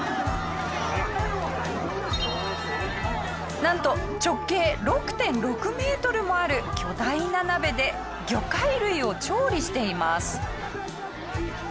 なんと直径６．６メートルもある巨大な鍋で魚介類を調理しています。